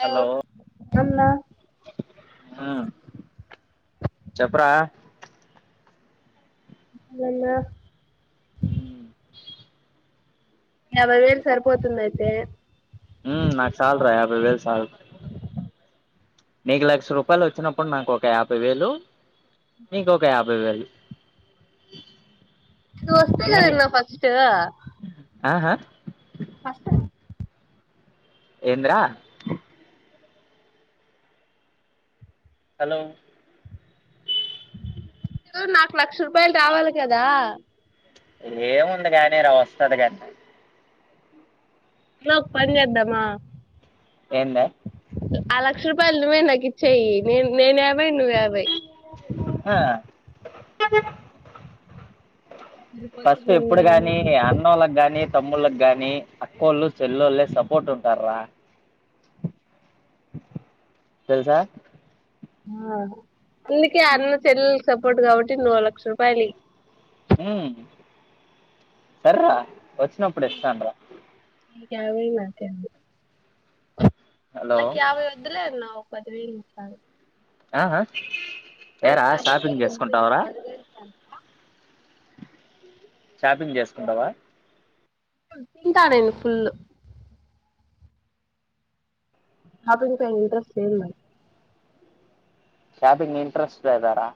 hello అమ్మ హు చెప్పురా మా మ్మ బైక్ హారన్ యాభై వేలు సరిపోతుందియితే ఉ నాకు చాలు యాభై వేలు సాలు నీకు లక్ష రూపాయలు వచ్చినప్పుడు నాకు ఒక యాభై వేలు నీకు ఒక కారు హారన్ ఇది వస్తే కథ అన్నఫస్ట్ ఆహా కష్టం ఎం ద్ర హలో నాకు లక్ష రూపాయలు రావాలి కదా ఏముంది కానీవస్తది కానీ ఇంట్లో పనిదామా ఏందే ఆ లక్ష రూపాయలువే నువ్వేనాకు ఇచ్చేయి నేనే తింటేను యాభై బస్సు హారం పస్పు ఎప్పుడు సరిపోతుందన్నా గాని అన్న వాళ్ళకి గాని తమ్ముళకిగాని అక్కోళ్ళు చెల్లళ్ళ సపోర్ట్ ఉంటార రా తెలుసా ఆ అందుకే అన్న చెల్ సపోర్ట్ కాబట్టి నూ లక్ష రూపాయలు సర్వా వచ్చినప్పుడు ఇస్తాన రా కావ మా హలో మాకు యావే వదులే నా [unintelligible] ఆ ఎరా యాభై షాపింగ్ వేలు వద్దు చేసుకుంటావరా పదివేలు చాలు షాపింగ్ చేసుకుంటావా తింటాడేను ఫుల్ అప ఇంట్రెస్ట్ లేదు మడి క్యాబింగ్ ఇంట్రెస్ట్ అదారా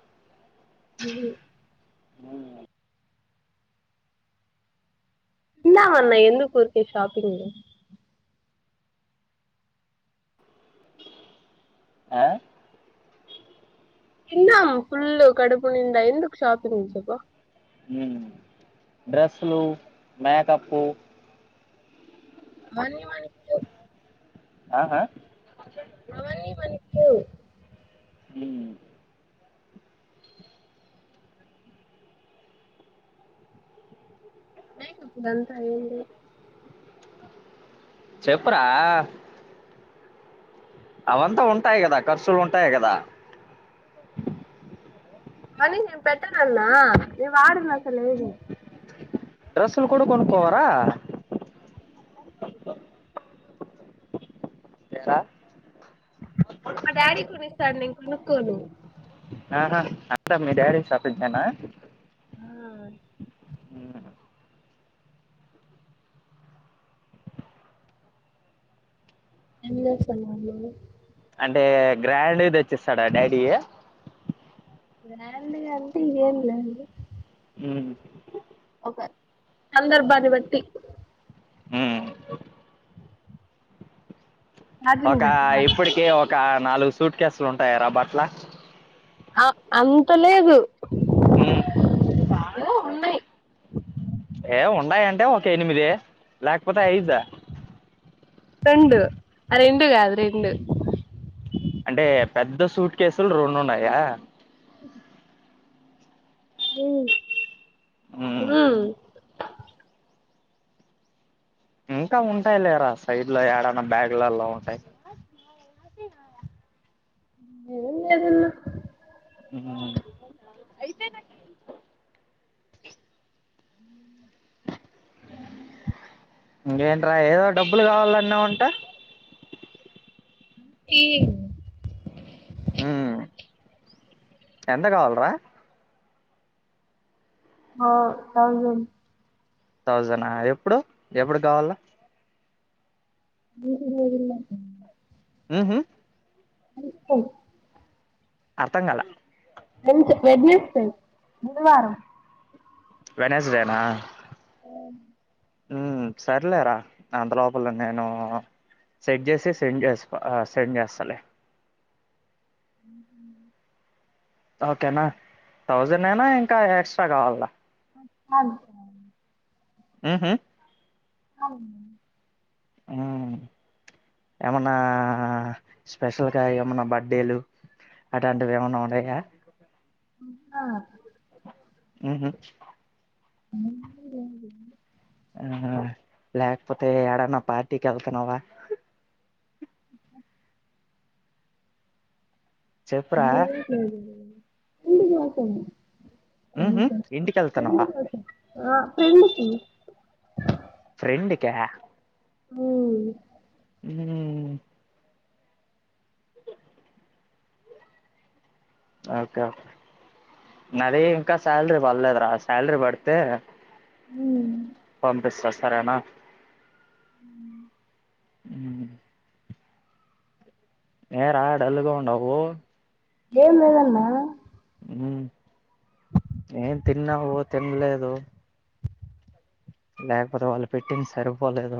అ ఆ తిందాం అన్నా ఎందుకు ఉరికే షాపింగ్ ఆ తిందాం ఫుల్ కడుపునిండ ఎందుకు షాపింగ్ చెప్పు హు డ్రెస్సులు మేకప్పు అవన్నీ మనకు ఆహా [inaudible] కు హు మేకప్ ఇదంతా ఏంది చెప్పురా అవంతా ఉంటాయి కదా ఖర్చులు ఉంటాయి కదా కానీ నేను పెట్టను అన్నా నేను వాడను అసలు ఏది డ్రెస్సులు కూడా కొనుక్కోవా రా [inaudible] ఎ రా మా డాడీ కొనిస్తాడు ని కొనుక్కోను ఆహా అంతా మీ డాడీ షాపింగ్ ఏనా ఆ ఊ ఏం చేస్తున్నావ్ నువ్వు అంటే గ్రాండ్ వి తెచ్చిస్తాడా డాడీ గ్రాండ్ గా అంటే ఇగ ఏం లేదు ఉహు ఒక సందర్భాన్ని బట్టి ఉహు ఒక ఇప్పటికి ఒక నాలుగు సూట్ కేసులు ఉంటాయా రా బట్టలు ఆ అంత లేదు హు ఉన్నాయి ఏ ఉండయాం ఉంటే ఒక ఎనిమిది లేకపోతే ఐదా రెండు ఆ రెండు కాదు రెండు అంటే పెద్ద సూట్ కేసులు రెండు ఉన్నాయా హు ఉమ్ హు ఇంకా ఉంటాయి లేరా సైడ్ లో ఏడైన్నా బ్యాగులలో ఉంటాయి ఏం లేదు అన్నా ఉహు అయితే నాకు అ ఇంకేంట్రా ఏదో డబ్బులు కావాలి అన్నావంట ఈ ఊ ఎంత కావాలి రా ఆ థౌసేన్ థౌసేనా ఎప్పుడు ఎప్పుడు కావాలే ఊకె ఇరువై వేయిలు [inaudible] మ్మ్ హ్మ్ [inaudible] అర్థం కాల వెడ్నెస్డే బుధవారం వెనాస్డేనా ఆ మ్మ్ సర్లేరా అంతలోపల నేను సెట్ చేసి సెండ్ చేసు సెండ్ చేస్తాలే మ్మ్ ఓకేనా తౌసండ్ ఎనా ఇంకా ఎక్స్ట్రా కావాలా అ మ్మ్ హ్మ్ అవును మ్మ్ ఏమన్నా స్పెషల్గా ఏమన్నా బర్త్డేలు అలాంటివి ఏమైనా ఉన్నాయా ఆ మ్మ్ హ్మ్ మ్మ్ లేకపోతే ఎడన్నా పార్టీకి వెళ్తాన్నావా చెప్పురా [unintelligible] అకా ఫె ఉహు ఇంటికెళ్తున్నావా కోస ఆ ఫ్రెండ్ కి ఫ్రెండు కా మ్మ్ మ్మ్ [unintelligible] ఓకే నాది ఇంకా శాలరీ పడలేదురా శాలరీ పడితే మ్మ్ పంపిస్తా సరేనా మ్మ్ ఏరా డల్గా ఉండవు ఏం లేదు అన్న హ్మ్ ఏన్ తిన్నావు తన్లేదు లేకపోతే వాళ్ళు పెట్టింది సరిపోలేదు